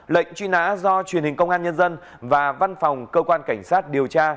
lệnh truy nã do truyền hình công an nhân dân và văn phòng cơ quan cảnh sát điều tra